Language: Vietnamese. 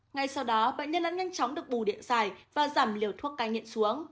ngay sau đó bệnh nhân đã nhanh chóng được bù điện dài và giảm liều thuốc cai nghiện xuống